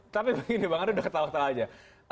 tapi begini pak andres sudah ketahuan ketahuan saja